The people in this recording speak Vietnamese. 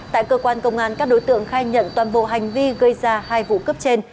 tại cơ quan công an các đối tượng khai nhận toàn bộ hành vi gây ra hai vụ cướp trên